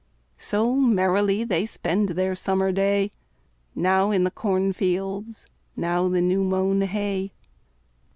So merrily they spend their summer day, Now in the cornfields, now the new mown hay.